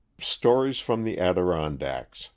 120 STORIES FROM THE ADIRONDACKS.